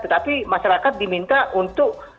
tetapi masyarakat diminta untuk membeli barang